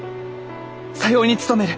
さように努める。